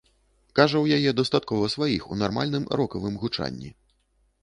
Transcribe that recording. Кажа, у яе дастаткова сваіх у нармальным рокавым гучанні.